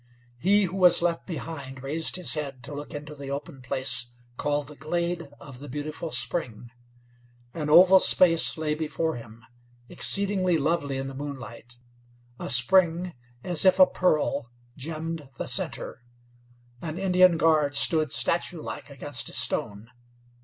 He who was left behind raised his head to look into the open place called the glade of the Beautiful Spring. An oval space lay before him, exceedingly lovely in the moonlight; a spring, as if a pearl, gemmed the center. An Indian guard stood statuelike against a stone.